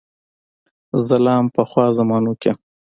زه لا هم په پخوا زمانو کې یم.